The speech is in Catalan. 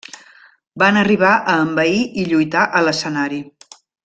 Van arribar a envair i lluitar a l'escenari.